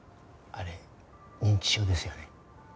あれ認知症ですよね？